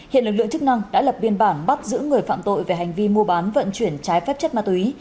hiện lực lượng chức năng đã lập biên bản bắt giữ người phạm tội về hành vi mua bán vận chuyển trái phép chất ma túy